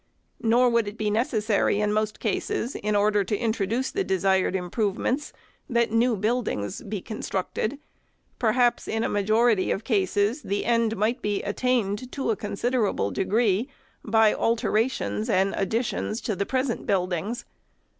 Nor would it be necessary, in most cases, in order to in troduce the desired improvements, that new buildings should be constructed. Perhaps in a majority of cases, the end might be attained to a considerable degree, by alterations and additions to the present buildings.